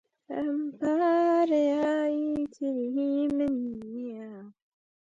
ئەم پارەیە ئیتر هی من نییە. نامەوێت بیگەڕێنیتەوە.